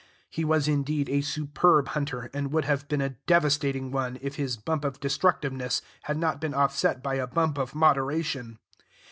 He was, indeed, a superb hunter, and would have been a devastating one, if his bump of destructiveness had not been offset by a bump of moderation.